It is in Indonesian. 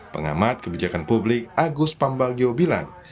pengamat kebijakan publik agus pambagio bilang